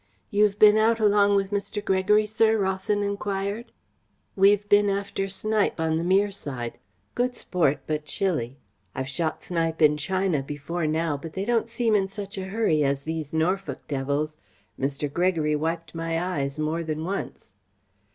"You've been out along with Mr. Gregory, sir?" Rawson enquired. "We've been after snipe on the mere side. Good sport, but chilly. I've shot snipe in China before now, but they don't seem in such a hurry as these Norfolk devils. Mr. Gregory wiped my eyes more than once."